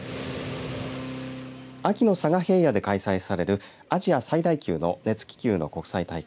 秋の佐賀平野で開催されるアジア最大級の熱気球の国際大会